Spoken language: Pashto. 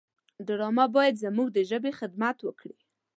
ډرامه باید زموږ د ژبې خدمت وکړي